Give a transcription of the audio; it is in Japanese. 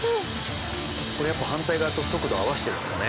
これやっぱ反対側と速度合わせてるんですかね？